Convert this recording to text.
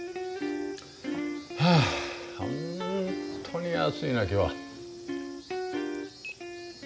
はあ本当に暑いな今日は。